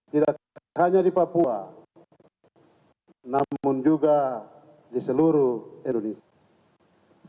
tidak hanya di papua namun juga di seluruh indonesia